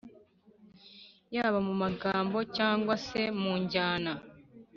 yaba mu magambo cyangwa se mu njyana.